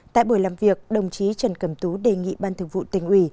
tại buổi làm việc đồng chí trần cẩm tú đề nghị ban thường vụ tỉnh ủy